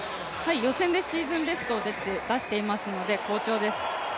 予選でシーズンベストを出していますので好調です。